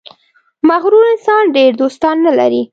• مغرور انسان ډېر دوستان نه لري.